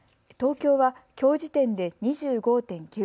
東京はきょう時点で２５．９％。